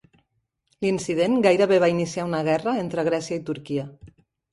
L'incident gairebé va iniciar una guerra entre Grècia i Turquia.